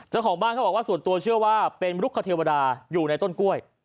เจ้าของบ้านเขาบอกว่าส่วนตัวเชื่อว่าเป็นลุกคเทวดาอยู่ในต้นกล้วย